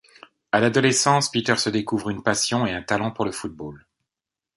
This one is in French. À l'adolescence, Peter se découvre une passion et un talent pour le football.